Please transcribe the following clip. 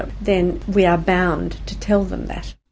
maka kami terpaksa beritahu mereka